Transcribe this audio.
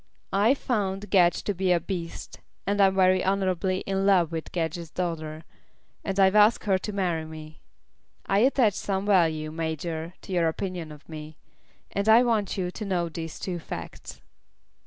I've found Gedge to be a beast, and I'm very honourably in love with Gedge's daughter, and I've asked her to marry me. I attach some value, Major, to your opinion of me, and I want you to know these two facts."